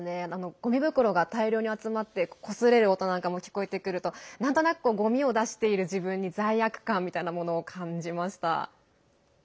ごみ袋が大量に集まってこすれる音なんかも聞こえてくるとなんとなくごみを出している自分に罪悪感みたいなものを感じました。